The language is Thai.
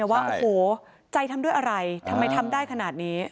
แต่ว่าโอ้โหใจทำด้วยอะไรทำไมทำได้ขนาดนี้